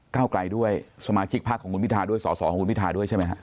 เก้าไกลด้วยสมาชิกพักของคุณพิทาด้วยสอสอของคุณพิทาด้วยใช่ไหมฮะ